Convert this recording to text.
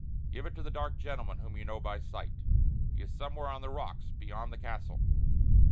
Give it to the dark gentleman whom you know by sight. He is somewhere on the rocks beyond the Castle."